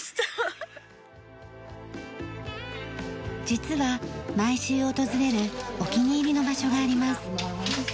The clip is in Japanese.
実は毎週訪れるお気に入りの場所があります。